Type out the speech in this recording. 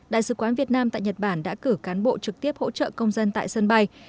đại sứ quán việt nam tại nhật bản đã cử cán bộ trực tiếp hỗ trợ công dân tại sân bay